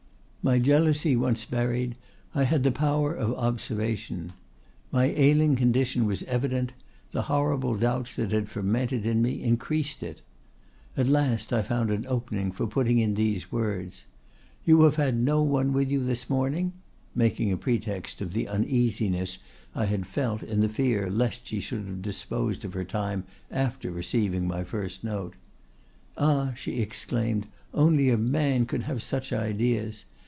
My jealousy once buried, I had the power of observation. My ailing condition was evident; the horrible doubts that had fermented in me increased it. At last I found an opening for putting in these words: 'You have had no one with you this morning?' making a pretext of the uneasiness I had felt in the fear lest she should have disposed of her time after receiving my first note.—'Ah!' she exclaimed, 'only a man could have such ideas!